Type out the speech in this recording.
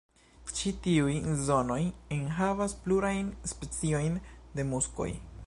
Ĉi tiuj zonoj enhavas plurajn speciojn de muskoj.